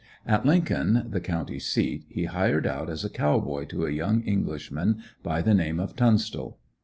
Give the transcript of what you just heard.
At Lincoln, the county seat, he hired out as a cow boy to a young Englishman by the name of Tunstall.